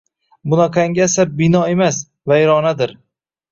Bunaqangi “asar” bino emas, vayronadir!